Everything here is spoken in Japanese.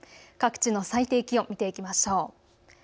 各地の最低気温を見ていきましょう。